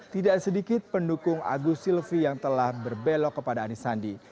tidak sedikit pendukung agus silvi yang telah berbelok kepada anies sandi